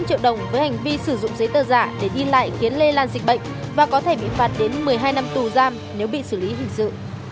hai triệu đồng với hành vi sử dụng giấy tờ giả để đi lại khiến lây lan dịch bệnh và có thể bị phạt đến một mươi hai năm tù giam nếu bị xử lý hình sự